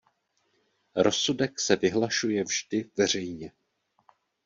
Rozsudek se vyhlašuje vždy veřejně.